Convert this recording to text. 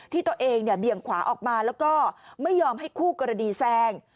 ที่ตัวเองเบี่ยงขวาออกมาแล้วก็ไม่ยอมให้คู่กรณีแซง